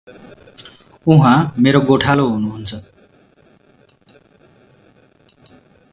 उहाँ मेरो गोठालो हुनुहुन्छ।